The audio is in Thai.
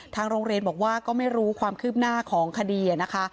ทางโรงเรียนบอกว่าก็ไม่รู้ความคืบหน้าของคดีนะคะ